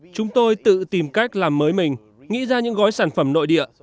chúng tôi tự tìm cách làm mới mình nghĩ ra những gói sản phẩm nội địa